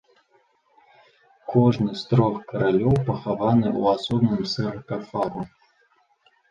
Кожны з трох каралёў пахаваны ў асобным саркафагу.